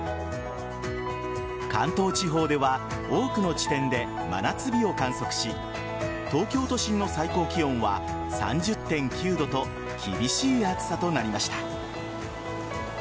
関東地方では多くの地点で真夏日を観測し東京都心の最高気温は３０．９度と厳しい暑さとなりました。